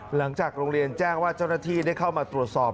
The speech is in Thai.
หลังจากโรงเรียนแจ้งว่าเจ้าหน้าที่ได้เข้ามาตรวจสอบ